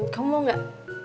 kamu mau gak